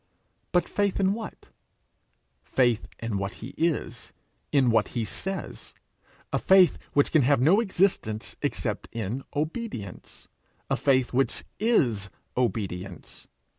But faith in what? Faith in what he is, in what he says a faith which can have no existence except in obedience a faith which is obedience.